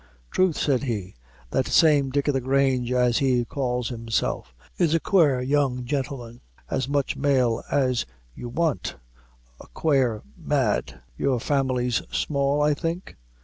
"Troth," said he, "that same Dick o' the Grange, as he calls himself, is a quare young gintleman; as much male as you want a quare, mad your family's small, I think?"